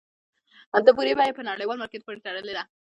د بورې بیه په نړیوال مارکیټ پورې تړلې ده؟